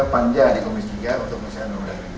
panja di komis tiga untuk penyelesaian uang